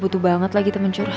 butuh banget lagi temen curhat kak